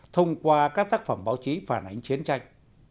thông qua các tác phẩm báo chí phản ánh chiến tranh